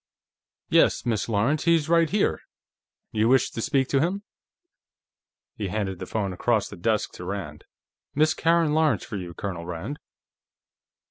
"Yes, Miss Lawrence; he's right here. You wish to speak to him?" He handed the phone across the desk to Rand. "Miss Karen Lawrence, for you, Colonel Rand."